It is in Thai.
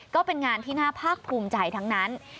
ก็เป็นงานที่น่าภาคภูมิใจทั้งนั้น